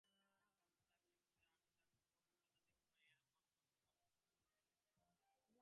তুমি থাকবে রথে, আমি থাকব পদাতিক হয়ে– এ-রকম দ্বন্দ্ব মনুর নিয়মে অধর্ম।